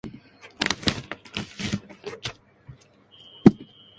スタジアムの名前がよく変わるので昔の呼び名を使ってる